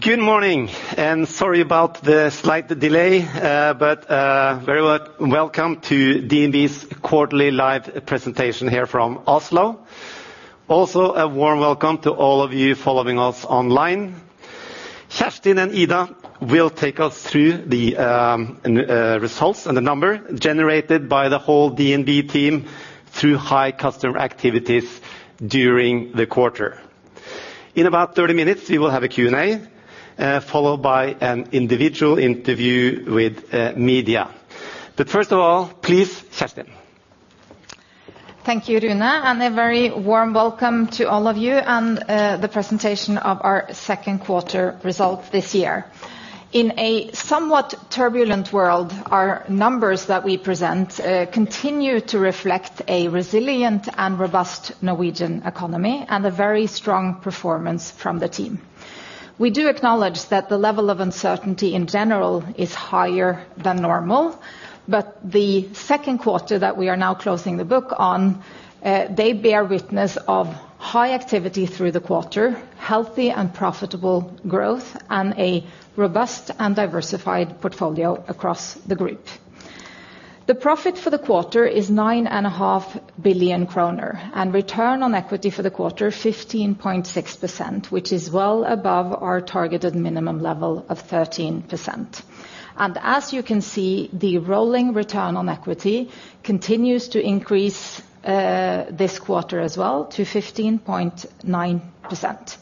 Good morning, sorry about the slight delay, very welcome to DNB's quarterly live presentation here from Oslo. Also, a warm welcome to all of you following us online. Kjerstin and Ida will take us through the results and the number generated by the whole DNB team through high customer activities during the quarter. In about 30 minutes, we will have a Q&A, followed by an individual interview with media. First of all, please, Kjerstin. Thank you, Rune, and a very warm welcome to all of you on the presentation of our Q2 results this year. In a somewhat turbulent world, our numbers that we present continue to reflect a resilient and robust Norwegian economy, and a very strong performance from the team. We do acknowledge that the level of uncertainty in general is higher than normal, but the Q2 that we are now closing the book on, they bear witness of high activity through the quarter, healthy and profitable growth, and a robust and diversified portfolio across the group. The profit for the quarter is 9.5 billion kroner, and return on equity for the quarter, 15.6%, which is well above our targeted minimum level of 13%. As you can see, the rolling return on equity continues to increase, this quarter as well, to 15.9%.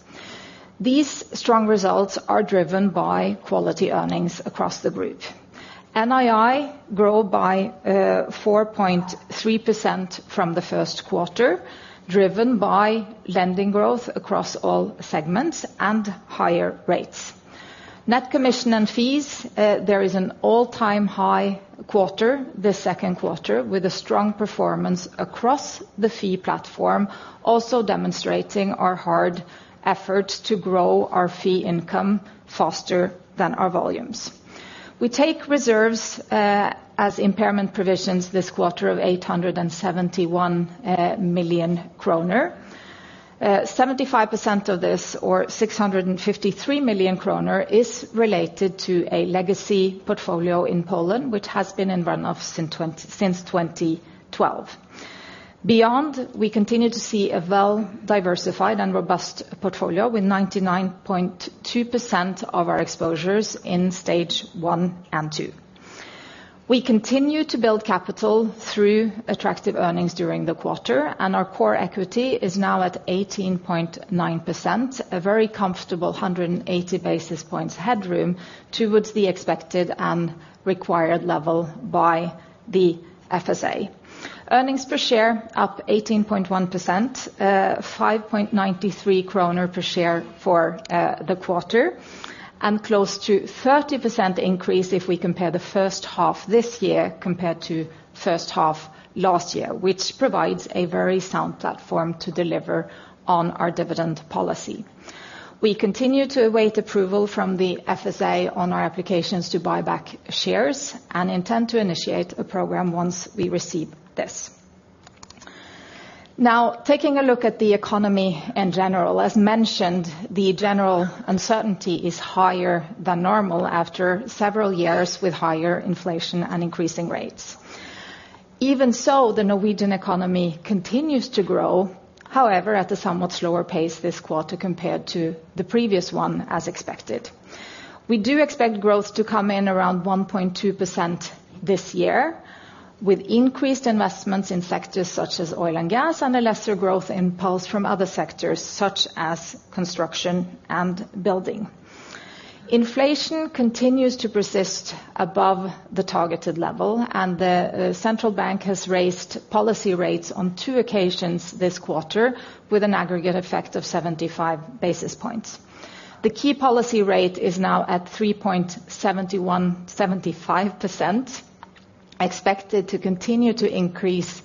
These strong results are driven by quality earnings across the group. NII grow by 4.3% from the Q1, driven by lending growth across all segments and higher rates. Net commission and fees, there is an all-time high quarter, this Q2, with a strong performance across the fee platform, also demonstrating our hard effort to grow our fee income faster than our volumes. We take reserves as impairment provisions this quarter of 871 million kroner. 75% of this, or 653 million kroner, is related to a legacy portfolio in Poland, which has been in run-off since 2012. Beyond, we continue to see a well-diversified and robust portfolio, with 99.2% of our exposures in Stage one and two. We continue to build capital through attractive earnings during the quarter, and our core equity is now at 18.9%, a very comfortable 180 basis points headroom towards the expected and required level by the FSA. Earnings per share up 18.1%, 5.93 kroner per share for the quarter, and close to 30% increase if we compare the first half this year compared to first half last year, which provides a very sound platform to deliver on our dividend policy. We continue to await approval from the FSA on our applications to buy back shares, and intend to initiate a program once we receive this. Taking a look at the economy in general. As mentioned, the general uncertainty is higher than normal after several years with higher inflation and increasing rates. Even so, the Norwegian economy continues to grow, however, at a somewhat slower pace this quarter compared to the previous one, as expected. We do expect growth to come in around 1.2% this year, with increased investments in sectors such as oil and gas, and a lesser growth impulse from other sectors, such as construction and building. Inflation continues to persist above the targeted level, and the central bank has raised policy rates on two occasions this quarter, with an aggregate effect of 75 basis points. The key policy rate is now at 3.75%, expected to continue to increase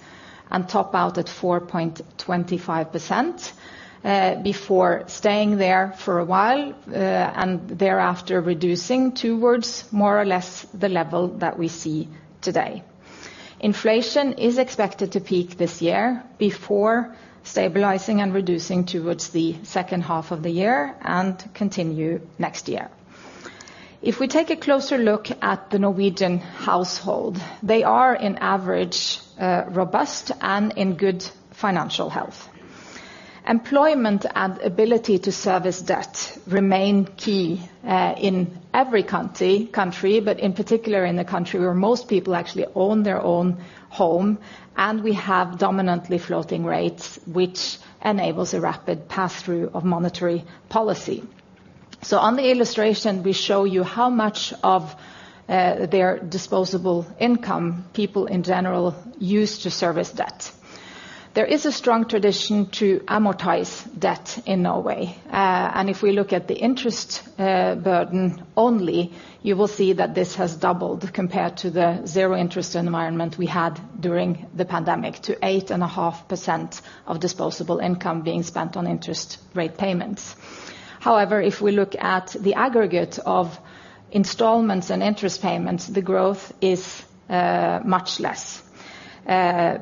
and top out at 4.25% before staying there for a while and thereafter reducing towards more or less the level that we see today. Inflation is expected to peak this year before stabilizing and reducing towards the second half of the year, and continue next year. If we take a closer look at the Norwegian household, they are, in average, robust and in good financial health. Employment and ability to service debt remain key in every country, but in particular in the country where most people actually own their own home, and we have dominantly floating rates, which enables a rapid pass-through of monetary policy. On the illustration, we show you how much of their disposable income people in general use to service debt. There is a strong tradition to amortize debt in Norway, and if we look at the interest burden only, you will see that this has doubled compared to the 0 interest environment we had during the pandemic, to 8.5% of disposable income being spent on interest rate payments. However, if we look at the aggregate of installments and interest payments, the growth is much less.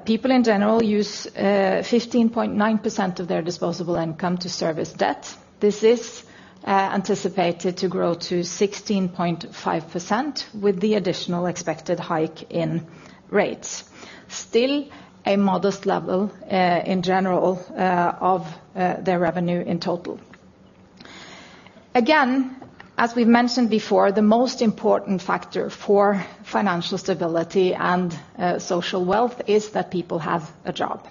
People in general use 15.9% of their disposable income to service debt. This is anticipated to grow to 16.5% with the additional expected hike in rates. Still, a modest level in general of their revenue in total. As we've mentioned before, the most important factor for financial stability and social wealth is that people have a job,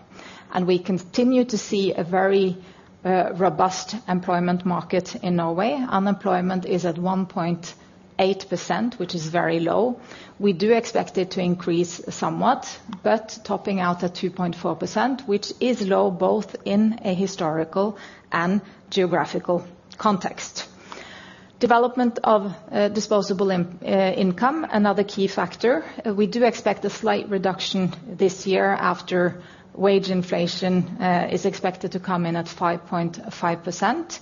and we continue to see a very robust employment market in Norway. Unemployment is at 1.8%, which is very low. We do expect it to increase somewhat, but topping out at 2.4%, which is low, both in a historical and geographical context. Development of disposable income, another key factor. We do expect a slight reduction this year after wage inflation is expected to come in at 5.5%.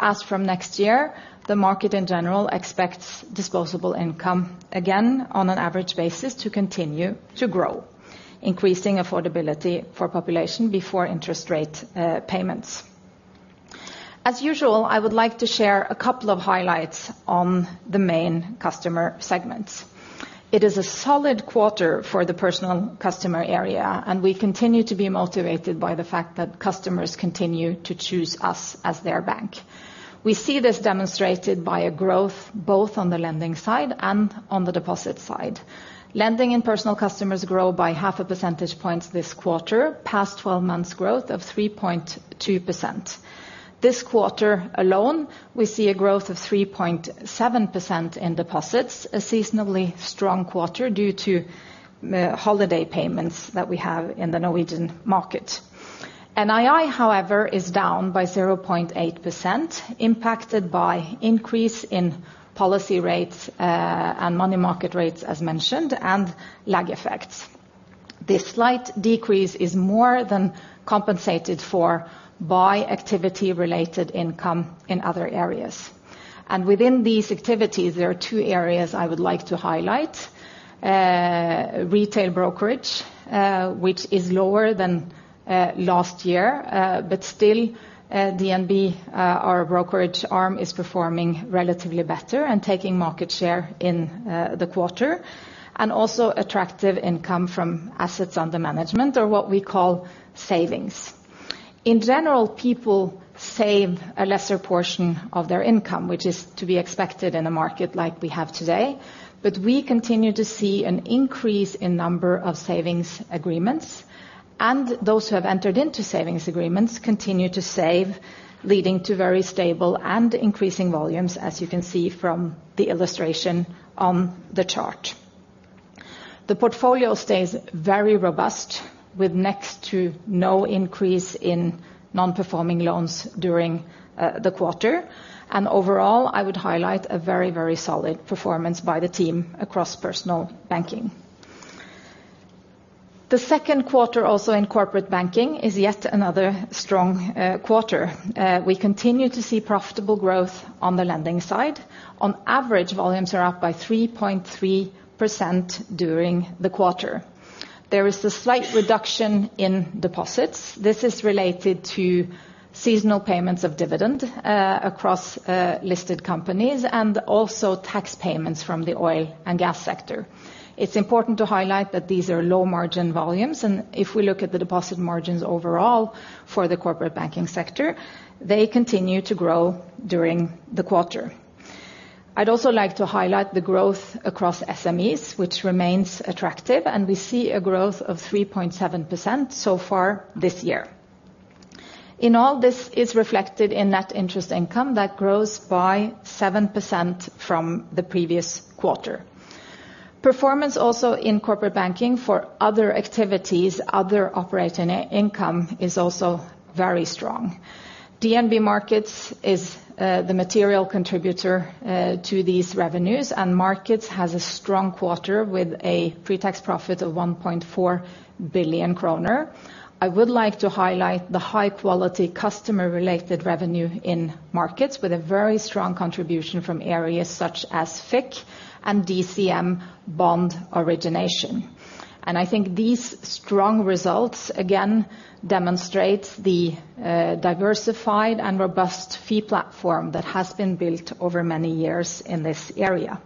As from next year, the market in general expects disposable income, again, on an average basis, to continue to grow, increasing affordability for population before interest rate payments. As usual, I would like to share a couple of highlights on the main customer segments. It is a solid quarter for the personal customer area, and we continue to be motivated by the fact that customers continue to choose us as their bank. We see this demonstrated by a growth, both on the lending side and on the deposit side. Lending and personal customers grow by half a percentage point this quarter, past 12 months growth of 3.2%. This quarter alone, we see a growth of 3.7% in deposits, a seasonably strong quarter due to holiday payments that we have in the Norwegian market. NII, however, is down by 0.8%, impacted by increase in policy rates and money market rates, as mentioned, and lag effects. This slight decrease is more than compensated for by activity-related income in other areas. Within these activities, there are two areas I would like to highlight. Retail brokerage, which is lower than last year, but still, DNB, our brokerage arm, is performing relatively better and taking market share in the quarter, and also attractive income from assets under management or what we call savings. In general, people save a lesser portion of their income, which is to be expected in a market like we have today. We continue to see an increase in number of savings agreements, and those who have entered into savings agreements continue to save, leading to very stable and increasing volumes, as you can see from the illustration on the chart. The portfolio stays very robust, with next to no increase in non-performing loans during the quarter. Overall, I would highlight a very, very solid performance by the team across personal banking. The Q2, also in corporate banking, is yet another strong quarter. We continue to see profitable growth on the lending side. On average, volumes are up by 3.3% during the quarter. There is a slight reduction in deposits. This is related to seasonal payments of dividend across listed companies, and also tax payments from the oil and gas sector. It's important to highlight that these are low-margin volumes, and if we look at the deposit margins overall for the corporate banking sector, they continue to grow during the quarter. I'd also like to highlight the growth across SMEs, which remains attractive, and we see a growth of 3.7% so far this year. In all, this is reflected in net interest income that grows by 7% from the previous quarter. Performance also in corporate banking for other activities, other operating income, is also very strong. DNB Markets is the material contributor to these revenues, and Markets has a strong quarter with a pre-tax profit of 1.4 billion kroner. I would like to highlight the high-quality customer-related revenue in Markets, with a very strong contribution from areas such as FIC and DCM bond origination. I think these strong results, again, demonstrate the diversified and robust fee platform that has been built over many years in this area.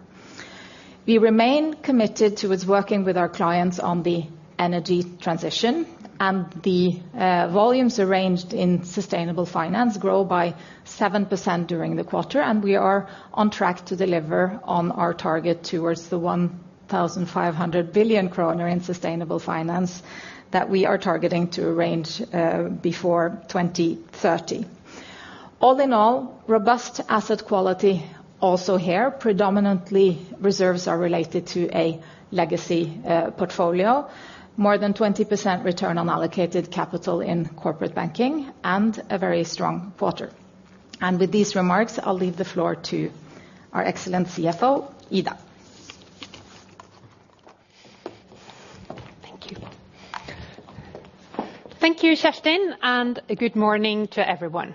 We remain committed towards working with our clients on the energy transition, the volumes arranged in sustainable finance grow by 7% during the quarter, and we are on track to deliver on our target towards the 1,500 billion kroner in sustainable finance that we are targeting to arrange before 2030. All in all, robust asset quality also here. Predominantly, reserves are related to a legacy portfolio. More than 20% return on allocated capital in corporate banking, and a very strong quarter. With these remarks, I'll leave the floor to our excellent CFO, Ida. Thank you. Thank you, Kjerstin, and a good morning to everyone.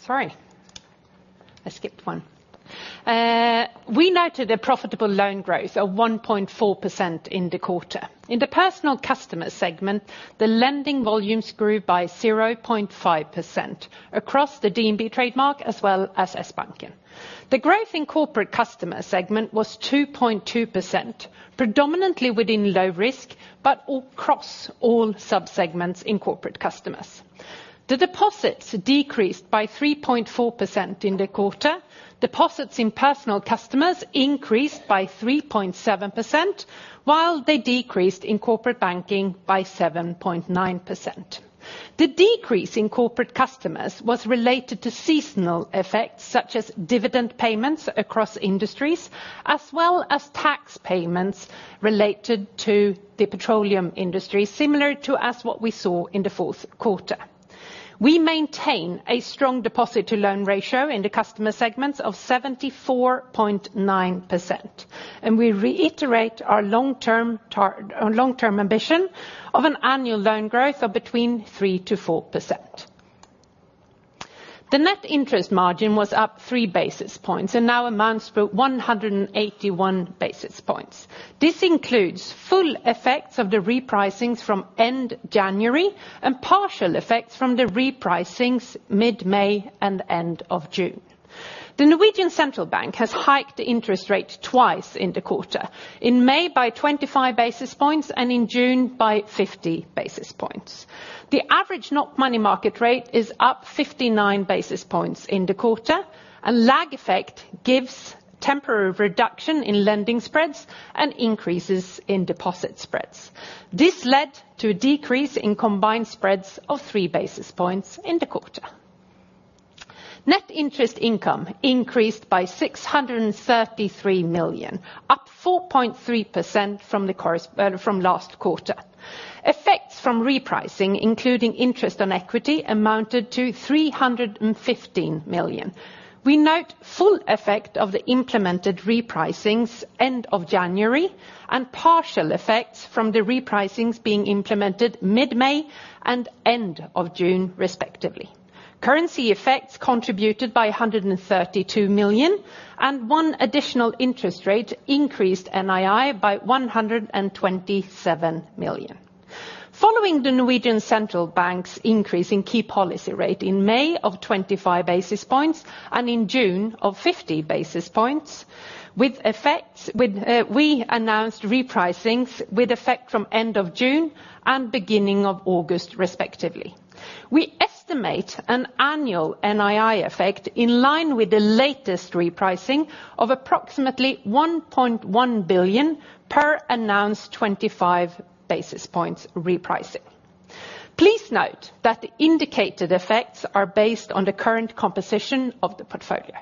Sorry, I skipped one. We noted a profitable loan growth of 1.4% in the quarter. In the personal customer segment, the lending volumes grew by 0.5% across the DNB trademark as well as Sbanken. The growth in corporate customer segment was 2.2%, predominantly within low risk, but across all subsegments in corporate customers. The deposits decreased by 3.4% in the quarter. Deposits in personal customers increased by 3.7%, while they decreased in corporate banking by 7.9%. The decrease in corporate customers was related to seasonal effects, such as dividend payments across industries, as well as tax payments related to the petroleum industry, similar to as what we saw in the Q4. We maintain a strong deposit-to-loan ratio in the customer segments of 74.9%. We reiterate our long-term ambition of an annual loan growth of between 3% to 4%. The net interest margin was up 3 basis points and now amounts to 181 basis points. This includes full effects of the repricings from end January, and partial effects from the repricings mid-May and end of June. Norges Bank has hiked the interest rate twice in the quarter, in May by 25 basis points, and in June by 50 basis points. The average net money market rate is up 59 basis points in the quarter. Lag effect gives temporary reduction in lending spreads and increases in deposit spreads. This led to a decrease in combined spreads of 3 basis points in the quarter. Net interest income increased by 633 million, up 4.3% from last quarter. Effects from repricing, including interest on equity, amounted to 315 million. We note full effect of the implemented repricings end of January, and partial effects from the repricings being implemented mid-May and end of June, respectively. Currency effects contributed by 132 million, and one additional interest rate increased NII by 127 million. Following Norges Bank's increase in key policy rate in May of 25 basis points, and in June of 50 basis points, we announced repricings with effect from end of June and beginning of August, respectively. We estimate an annual NII effect in line with the latest repricing of approximately 1.1 billion per announced 25 basis points repricing. Please note that the indicated effects are based on the current composition of the portfolio.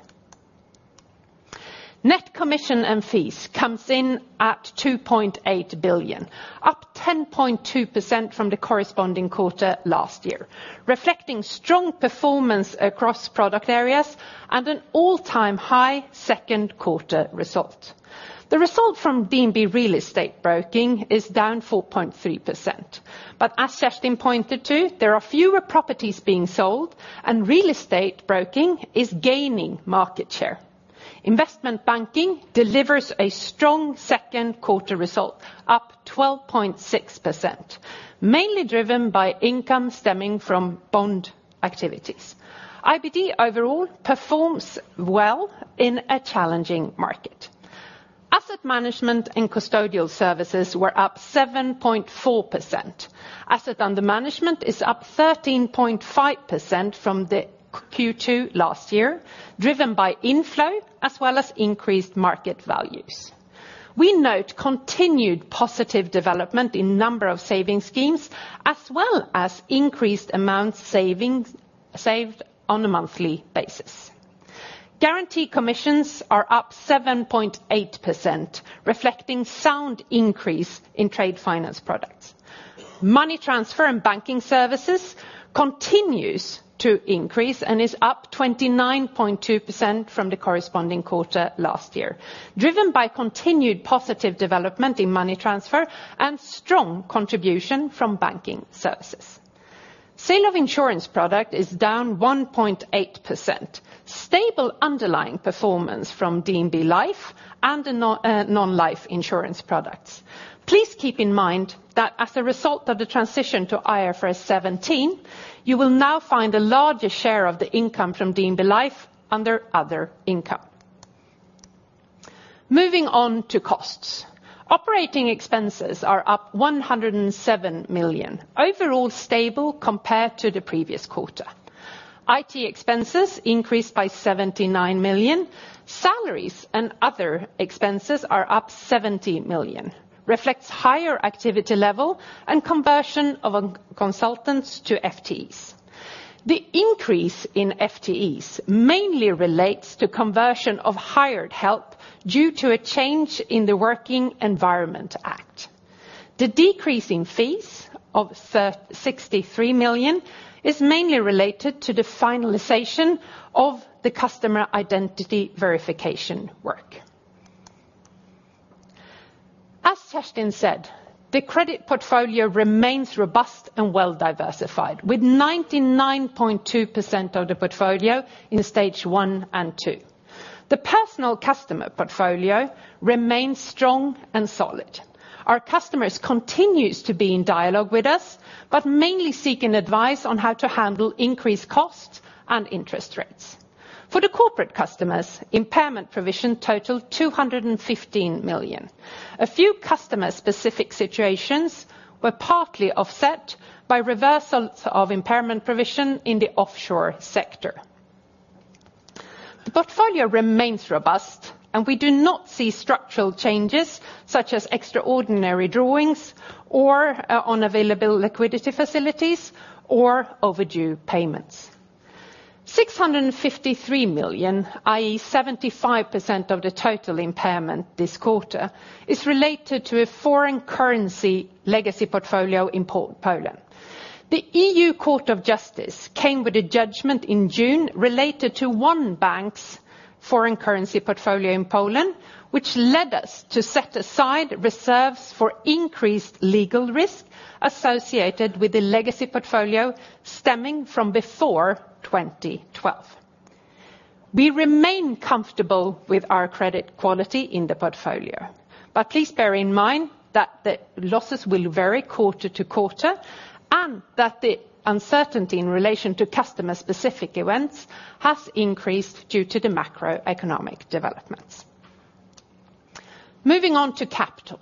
Net commission and fees comes in at 2.8 billion, up 10.2% from the corresponding quarter last year, reflecting strong performance across product areas and an all-time high Q2 result. The result from DNB Real Estate Broking is down 4.3%. As Kjerstin pointed to, there are fewer properties being sold, and Real Estate Broking is gaining market share. Investment banking delivers a strong Q2 result, up 12.6%, mainly driven by income stemming from bond activities. IBD overall performs well in a challenging market. Asset management and custodial services were up 7.4%. Asset under management is up 13.5% from the Q2 last year, driven by inflow as well as increased market values. We note continued positive development in number of saving schemes, as well as increased amount saved on a monthly basis. Guarantee commissions are up 7.8%, reflecting sound increase in trade finance products. Money transfer and banking services continues to increase and is up 29.2% from the corresponding quarter last year, driven by continued positive development in money transfer and strong contribution from banking services. Sale of insurance product is down 1.8%, stable underlying performance from DNB Life and the non-life insurance products. Please keep in mind that as a result of the transition to IFRS 17, you will now find a larger share of the income from DNB Life under other income. Moving on to costs. Operating expenses are up 107 million, overall stable compared to the previous quarter. IT expenses increased by 79 million, salaries and other expenses are up 70 million, reflects higher activity level and conversion of consultants to FTEs. The increase in FTEs mainly relates to conversion of hired help due to a change in the Working Environment Act. The decreasing fees of 63 million is mainly related to the finalization of the customer identity verification work. As Kjerstin said, the credit portfolio remains robust and well-diversified, with 99.2% of the portfolio in Stage one and two. The personal customer portfolio remains strong and solid. Our customers continues to be in dialogue with us, but mainly seeking advice on how to handle increased costs and interest rates. For the corporate customers, impairment provision totaled 215 million. A few customer-specific situations were partly offset by reversals of impairment provision in the offshore sector. The portfolio remains robust, and we do not see structural changes, such as extraordinary drawings or unavailable liquidity facilities or overdue payments. 653 million, i.e., 75% of the total impairment this quarter, is related to a foreign currency legacy portfolio in Poland. The EU Court of Justice came with a judgment in June related to one bank's foreign currency portfolio in Poland, which led us to set aside reserves for increased legal risk associated with the legacy portfolio stemming from before 2012. We remain comfortable with our credit quality in the portfolio, but please bear in mind that the losses will vary quarter to quarter, and that the uncertainty in relation to customer-specific events has increased due to the macroeconomic developments. Moving on to capital.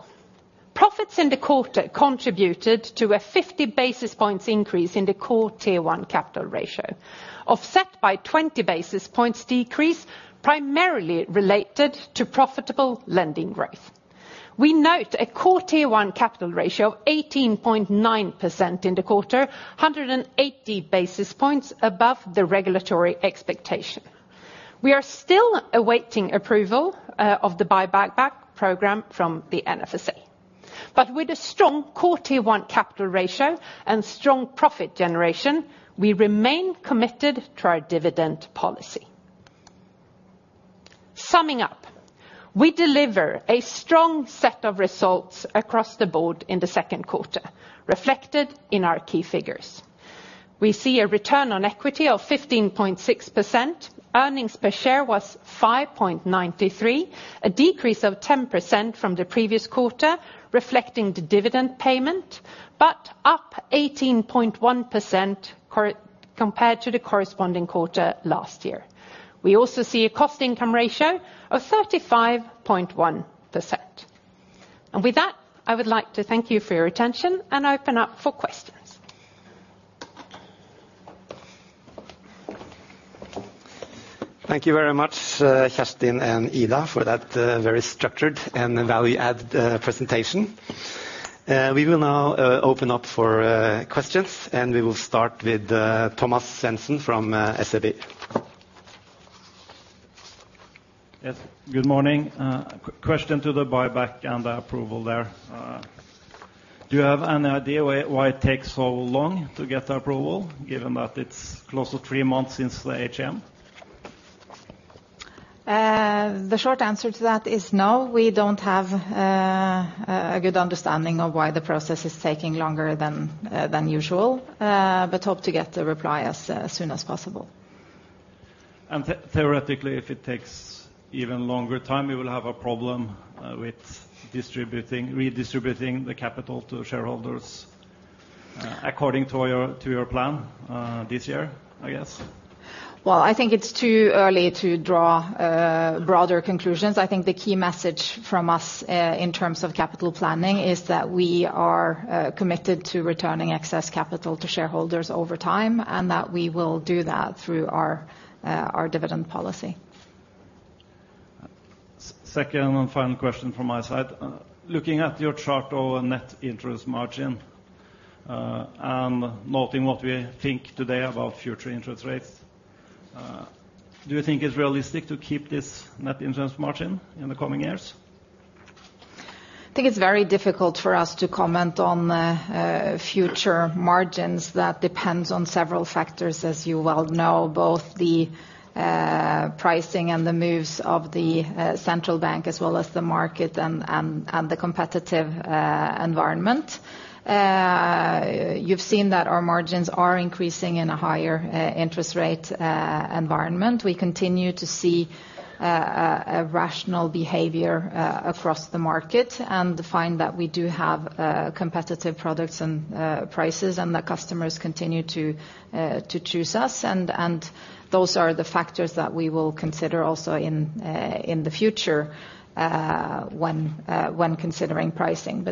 Profits in the quarter contributed to a 50 basis points increase in the core Tier one capital ratio, offset by 20 basis points decrease, primarily related to profitable lending growth. We note a core Tier one capital ratio of 18.9% in the quarter, 180 basis points above the regulatory expectation. We are still awaiting approval of the buyback program from the NFSA. With a strong core Tier one capital ratio and strong profit generation, we remain committed to our dividend policy. Summing up, we deliver a strong set of results across the board in the Q2, reflected in our key figures. We see a return on equity of 15.6%. Earnings per share was 5.93, a decrease of 10% from the previous quarter, reflecting the dividend payment, but up 18.1% compared to the corresponding quarter last year. We also see a cost-income ratio of 35.1%. With that, I would like to thank you for your attention and open up for questions. Thank you very much, Kjerstin and Ida, for that very structured and value-added presentation. We will now open up for questions, and we will start with Thomas Svendsen from SEB. Yes, good morning. Question to the buyback and the approval there. Do you have any idea why it takes so long to get the approval, given that it's close to three months since the AGM? The short answer to that is no, we don't have a good understanding of why the process is taking longer than usual, but hope to get the reply as soon as possible. Theoretically, if it takes even longer time, you will have a problem with distributing, redistributing the capital to shareholders, according to your plan, this year, I guess? Well, I think it's too early to draw broader conclusions. I think the key message from us in terms of capital planning, is that we are committed to returning excess capital to shareholders over time, and that we will do that through our dividend policy. Second and final question from my side. Looking at your chart over net interest margin, and noting what we think today about future interest rates, do you think it's realistic to keep this net interest margin in the coming years? I think it's very difficult for us to comment on future margins. That depends on several factors, as you well know, both the pricing and the moves of the central bank, as well as the market and the competitive environment. You've seen that our margins are increasing in a higher interest rate environment. We continue to see a rational behavior across the market, and find that we do have competitive products and prices, and that customers continue to choose us, and those are the factors that we will consider also in the future when considering pricing.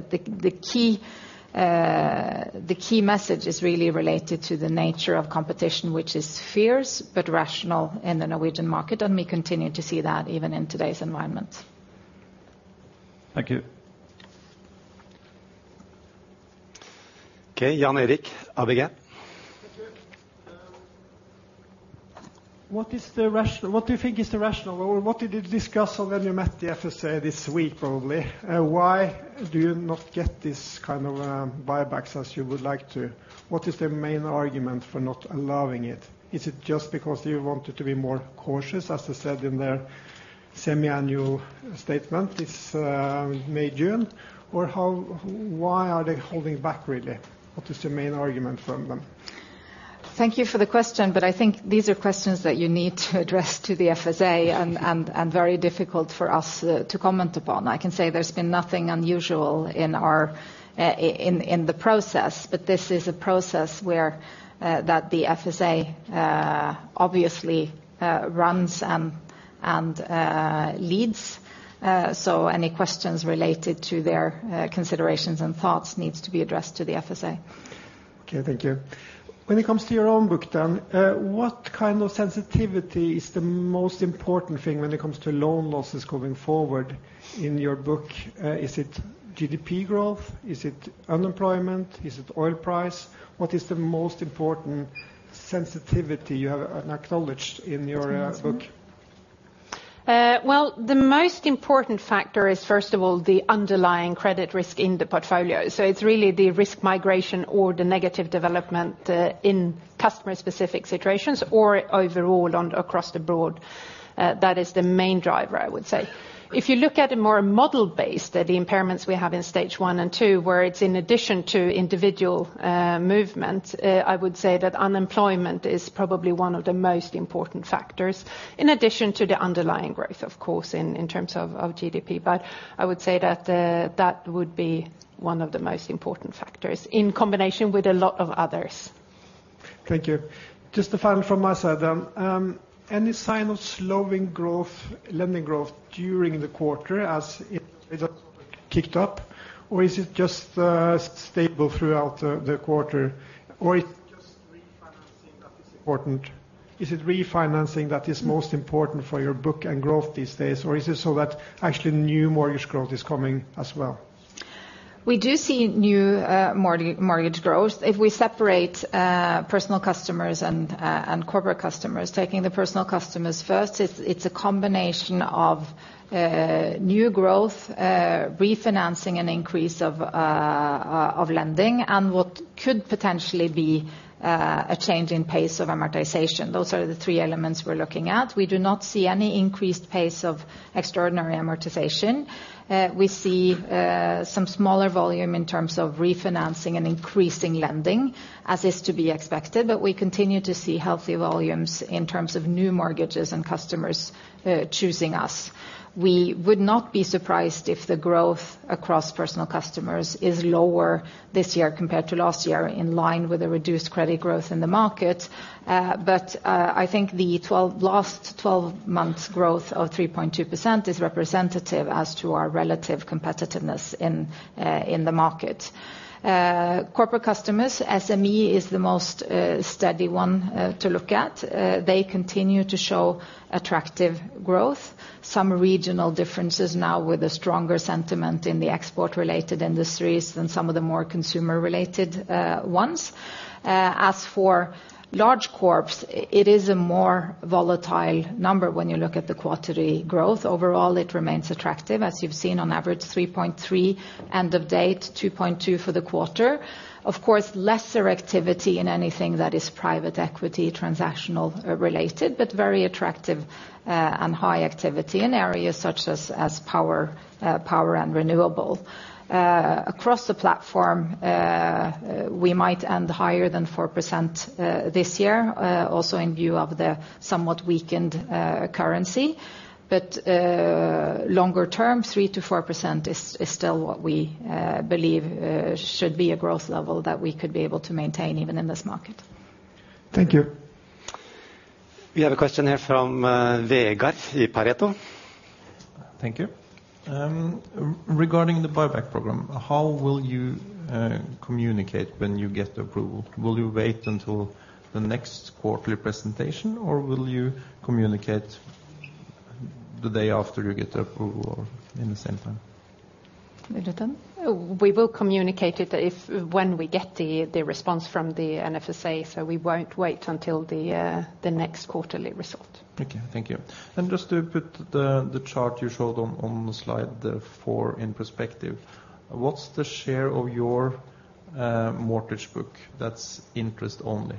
The key message is really related to the nature of competition, which is fierce but rational in the Norwegian market, and we continue to see that even in today's environment. Thank you. Okay, Jan Erik, ABG? Thank you. What do you think is the rational, or what did you discuss when you met the FSA this week, probably? Why do you not get this kind of, buybacks as you would like to? What is the main argument for not allowing it? Is it just because you wanted to be more cautious, as I said in their semiannual statement this, May, June, or how, why are they holding back really? What is the main argument from them? Thank you for the question. I think these are questions that you need to address to the FSA, and very difficult for us to comment upon. I can say there's been nothing unusual in our in the process, but this is a process where that the FSA obviously runs and leads. Any questions related to their considerations and thoughts needs to be addressed to the FSA. Okay, thank you. When it comes to your own book then, what kind of sensitivity is the most important thing when it comes to loan losses going forward in your book? Is it GDP growth? Is it unemployment? Is it oil price? What is the most important sensitivity you have acknowledged in your book? Well, the most important factor is, first of all, the underlying credit risk in the portfolio. It's really the risk migration or the negative development in customer-specific situations or overall across the board. That is the main driver, I would say. If you look at it more model-based, at the impairments we have in Stage 1 and 2, where it's in addition to individual movement, I would say that unemployment is probably one of the most important factors, in addition to the underlying growth, of course, in terms of GDP. I would say that that would be one of the most important factors, in combination with a lot of others. Thank you. Just a final from my side then. Any sign of slowing growth, lending growth, during the quarter as it kicked up? Is it just stable throughout the quarter? Just refinancing that is important. Is it refinancing that is most important for your book and growth these days, or is it so that actually new mortgage growth is coming as well? We do see new mortgage growth. If we separate personal customers and corporate customers, taking the personal customers first, it's a combination of new growth, refinancing and increase of lending, and what could potentially be a change in pace of amortization. Those are the three elements we're looking at. We do not see any increased pace of extraordinary amortization. We see some smaller volume in terms of refinancing and increasing lending, as is to be expected, but we continue to see healthy volumes in terms of new mortgages and customers choosing us. We would not be surprised if the growth across personal customers is lower this year compared to last year, in line with a reduced credit growth in the market. I think the last 12 months' growth of 3.2% is representative as to our relative competitiveness in the market. Corporate customers, SME is the most steady one to look at. They continue to show attractive growth. Some regional differences now with a stronger sentiment in the export-related industries than some of the more consumer-related ones. As for large corps, it is a more volatile number when you look at the quarterly growth. Overall, it remains attractive. As you've seen, on average, 3.3%, end of date, 2.2% for the quarter. Of course, lesser activity in anything that is private equity, transactional-related, but very attractive and high activity in areas such as power and renewable. Across the platform, we might end higher than 4% this year, also in view of the somewhat weakened currency. Longer term, 3%-4% is still what we believe should be a growth level that we could be able to maintain even in this market. Thank you. We have a question here from, Vegard in Pareto. Thank you. Regarding the buyback program, how will you communicate when you get the approval? Will you wait until the next quarterly presentation, or will you communicate the day after you get the approval or in the same time? We will communicate it if, when we get the response from the NFSA, so we won't wait until the next quarterly result. Okay, thank you. Just to put the chart you showed on slide 4 in perspective, what's the share of your mortgage book that's interest only?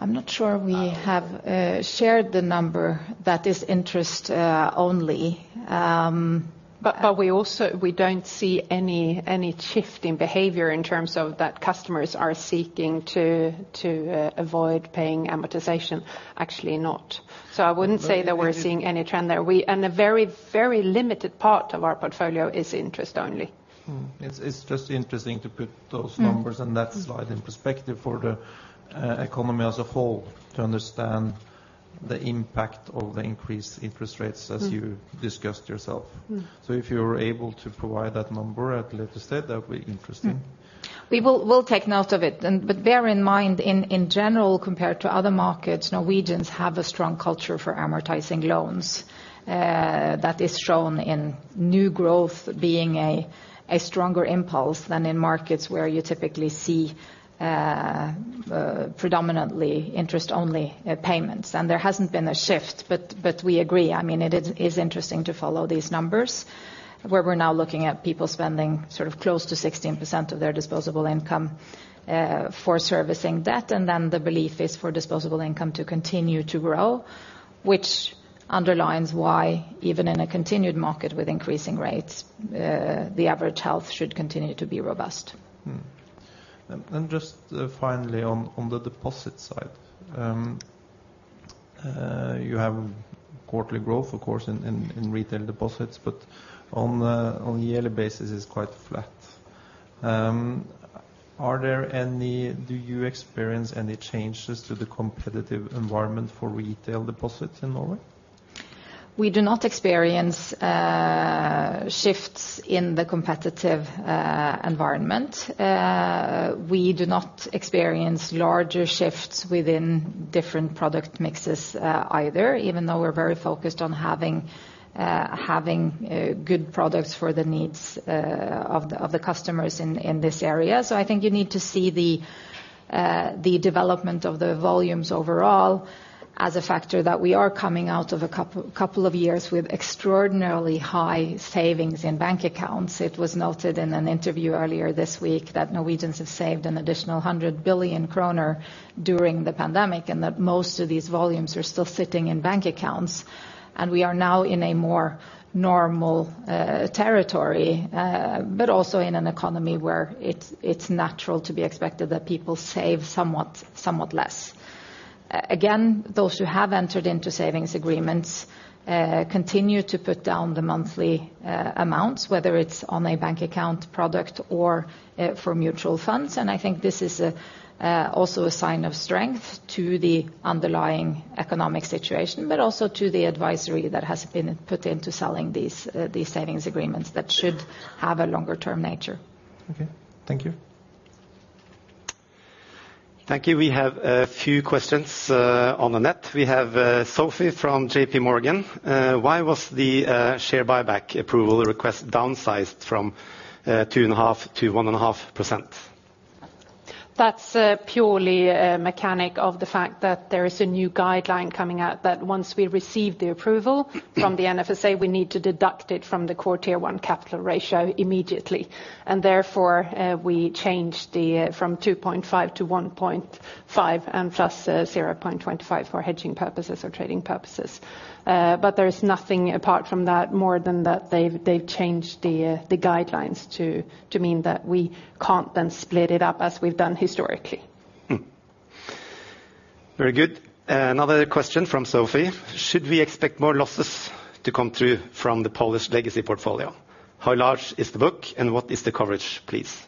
I'm not sure we have shared the number that is interest only. We don't see any shift in behavior in terms of that customers are seeking to avoid paying amortization. Actually not. I wouldn't say that we're seeing any trend there. A very limited part of our portfolio is interest only. It's just interesting to put those numbers on that slide in perspective for the economy as a whole, to understand the impact of the increased interest rates as you discussed yourself. Mm. If you're able to provide that number at a later stage, that would be interesting. We'll take note of it. But bear in mind, in general, compared to other markets, Norwegians have a strong culture for amortizing loans. That is shown in new growth being a stronger impulse than in markets where you typically see predominantly interest-only payments. There hasn't been a shift, but we agree. I mean, it is interesting to follow these numbers, where we're now looking at people spending sort of close to 16% of their disposable income for servicing debt, then the belief is for disposable income to continue to grow, which underlines why even in a continued market with increasing rates, the average health should continue to be robust. Just, finally on the deposit side. You have quarterly growth, of course, in retail deposits, but on a yearly basis is quite flat. Do you experience any changes to the competitive environment for retail deposits in Norway? We do not experience shifts in the competitive environment. We do not experience larger shifts within different product mixes either, even though we're very focused on having good products for the needs of the customers in this area. I think you need to see the development of the volumes overall as a factor that we are coming out of a couple of years with extraordinarily high savings in bank accounts. It was noted in an interview earlier this week that Norwegians have saved an additional 100 billion kroner during the pandemic, and that most of these volumes are still sitting in bank accounts. We are now in a more normal territory, but also in an economy where it's natural to be expected that people save somewhat less. Again, those who have entered into savings agreements, continue to put down the monthly, amounts, whether it's on a bank account product or, for mutual funds. I think this is, also a sign of strength to the underlying economic situation, but also to the advisory that has been put into selling these savings agreements that should have a longer term nature. Okay. Thank you. Thank you. We have a few questions on the net. We have Sofie from JP Morgan. Why was the share buyback approval request downsized from two and a half to one and a half %? That's purely a mechanic of the fact that there is a new guideline coming out, that once we receive the approval from the NFSA, we need to deduct it from the core Tier 1 capital ratio immediately. Therefore, we changed the from 2.5 to 1.5, and plus 0.25 for hedging purposes or trading purposes. There is nothing apart from that, more than that they've changed the guidelines to mean that we can't then split it up as we've done historically. Very good. Another question from Sofie: Should we expect more losses to come through from the Polish legacy portfolio? How large is the book, and what is the coverage, please?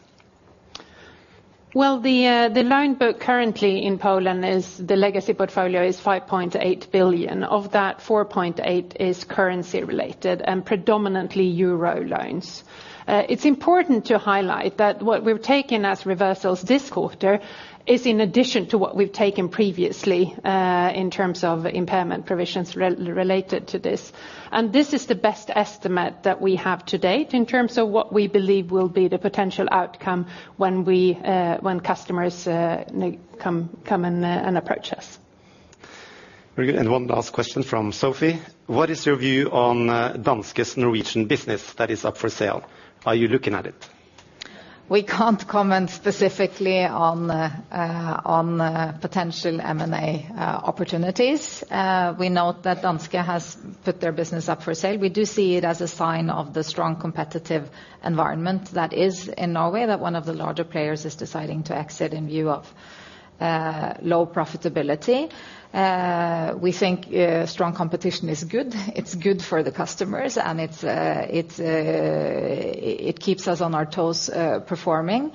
Well, the loan book currently in Poland is. The legacy portfolio is 5.8 billion. Of that, 4.8 billion is currency related, and predominantly euro loans. It's important to highlight that what we've taken as reversals this quarter is in addition to what we've taken previously in terms of impairment provisions related to this. This is the best estimate that we have to date in terms of what we believe will be the potential outcome when we, when customers come and approach us. Very good. One last question from Sofie: What is your view on Danske's Norwegian business that is up for sale? Are you looking at it? We can't comment specifically on potential M&A opportunities. We note that Danske has put their business up for sale. We do see it as a sign of the strong competitive environment that is in Norway, that one of the larger players is deciding to exit in view of low profitability. We think strong competition is good. It's good for the customers, and it's, it keeps us on our toes, performing.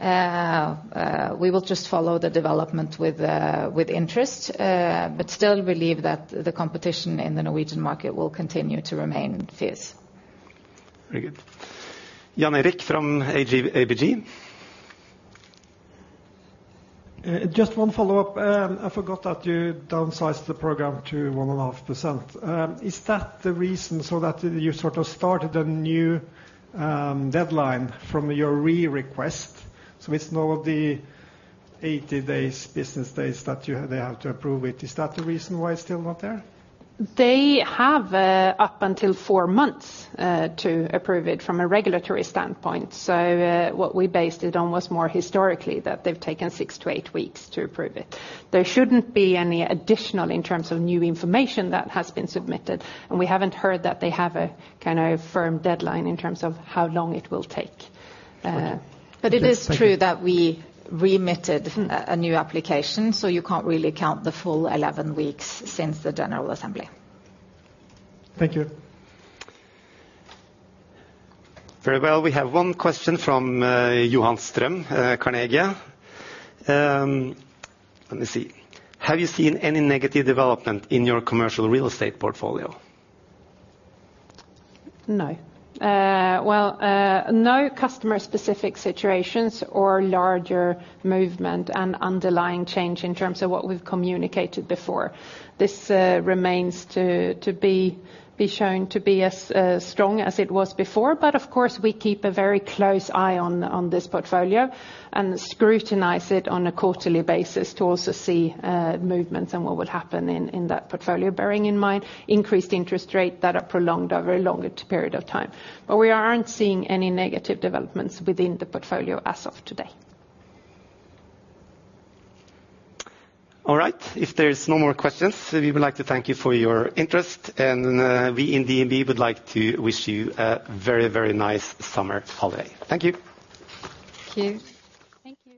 We will just follow the development with interest, but still believe that the competition in the Norwegian market will continue to remain fierce. Very good. Jan Erik from ABG. Just one follow-up. I forgot that you downsized the program to 1.5%. Is that the reason so that you sort of started a new deadline from your re-request? It's now the 80 days, business days, that you, they have to approve it. Is that the reason why it's still not there? They have up until four months to approve it from a regulatory standpoint. What we based it on was more historically, that they've taken 68 weeks to approve it. There shouldn't be any additional in terms of new information that has been submitted, and we haven't heard that they have a kind of firm deadline in terms of how long it will take. Okay. it is true- Thank you. That we remitted a new application, you can't really count the full 11 weeks since the general assembly. Thank you. Very well. We have one question from, Johan Ström, Carnegie. Let me see. Have you seen any negative development in your commercial real estate portfolio? No. Well, no customer-specific situations or larger movement and underlying change in terms of what we've communicated before. This remains to be shown to be as strong as it was before, but of course, we keep a very close eye on this portfolio, and scrutinize it on a quarterly basis to also see movements and what would happen in that portfolio, bearing in mind increased interest rate that are prolonged over a longer period of time. We aren't seeing any negative developments within the portfolio as of today. All right. If there's no more questions, we would like to thank you for your interest, and, we in DNB would like to wish you a very, very nice summer holiday. Thank you. Thank you. Thank you.